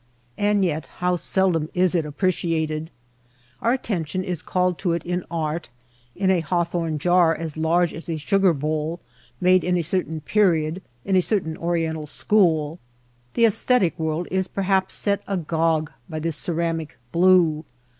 And yet how seldom it is appreciated ! Our attention is called to it in art — in a haw thorn jar as large as a sugar bowl, made in a certain period, in a certain Oriental school. The aesthetic world is perhaps set agog by this ceramic blue.